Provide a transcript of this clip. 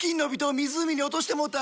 湖に落としてもうた！